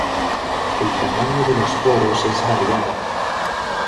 El tamaño de los poros es variable.